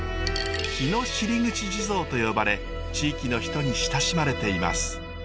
尻口地蔵と呼ばれ地域の人に親しまれています。